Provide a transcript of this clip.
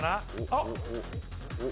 あっ！